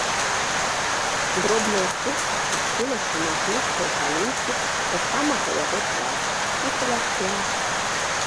Дробная птушка спусцілася на гнуткай галінцы да самага яго твару і паляцела.